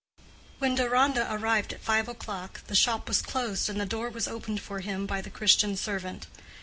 When Deronda arrived at five o'clock, the shop was closed and the door was opened for him by the Christian servant.